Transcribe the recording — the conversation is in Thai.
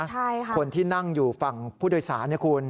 ใช่ค่ะคนที่นั่งอยู่ฝั่งผู้โดยสารเนี่ยคุณ